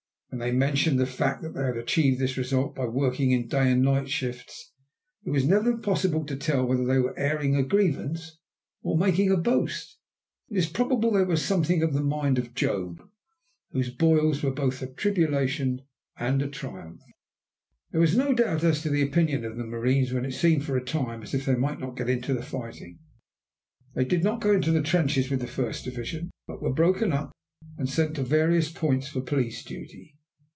When they mentioned the fact that they had achieved this result by working in day and night shifts it was never possible to tell whether they were airing a grievance or making a boast. It is probable that they were something of the mind of Job, whose boils were both a tribulation and a triumph. There was no doubt as to the opinion of the marines when it seemed for a time as if they might not get into the fighting. They did not go into the trenches with the first division, but were broken up and sent to various points for police duty.